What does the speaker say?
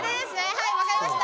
はいわかりました。